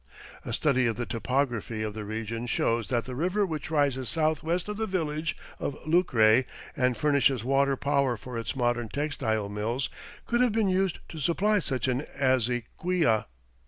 A study of the topography of the region shows that the river which rises southwest of the village of Lucre and furnishes water power for its modern textile mills could have been used to supply such an azequia.